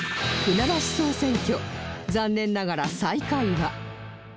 船橋総選挙残念ながら最下位は